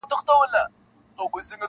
ويل باز به وي حتماً خطا وتلى-